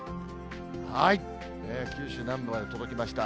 九州南部まで届きました。